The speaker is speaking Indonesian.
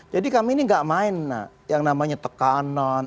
jadi kami ini tidak main yang namanya tekanan